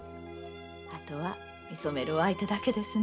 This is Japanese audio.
あとは見初めるお相手だけですねえ。